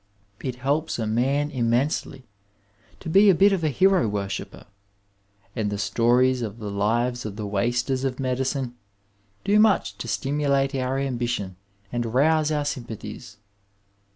It helps a man inmiensely to be a bit of a hero worshipper, and the stories of the lives of the wasters of medicine do much to stimulate our ambition and rouse our sympathies.